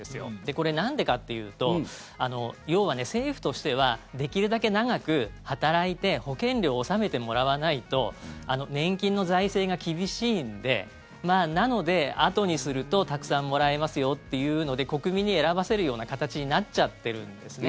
これ、なんでかっていうと要は政府としてはできるだけ長く働いて保険料を納めてもらわないと年金の財政が厳しいんでなので、あとにするとたくさんもらえますよっていうので国民に選ばせるような形になっちゃってるんですね。